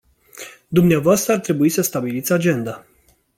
Dvs. ar trebui să stabiliți agenda.